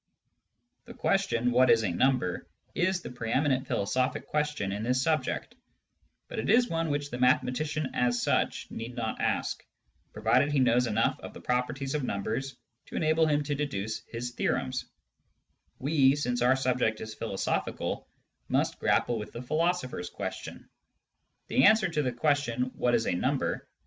The question, "What is a number }" is the pre eminent philosophic question in this subject, but it is one which the mathematician as such need not ask, provided he knows enough of the properties Digitized by Google THE POSITIVE THEORY OF INFINITY 187 of numbers to enable him to deduce his theorems. We, since our object is philosophical, must grapple with the philosopher's question. The answer to the question, " What is a number